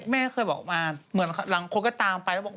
แม่เคยบอกมาเหมือนหลังคนก็ตามไปแล้วบอก